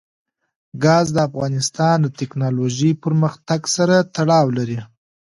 ګاز د افغانستان د تکنالوژۍ پرمختګ سره تړاو لري.